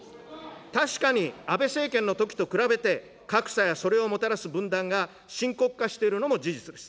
確かに安倍政権のときと比べて、格差やそれをもたらす分断が深刻化しているのも事実です。